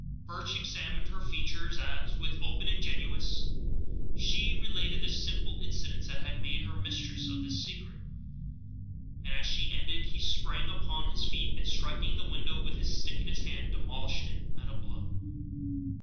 Birch examined her features as, with open ingenuousness, she related the simple incidents that had made her mistress of his secret; and, as she ended, he sprang upon his feet, and, striking the window with the stick in his hand, demolished it at a blow.